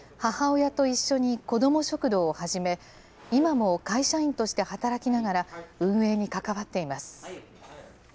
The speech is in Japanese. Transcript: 大学生のときに母親と一緒に子ども食堂を始め、今も会社員として働きながら運営に関わっています。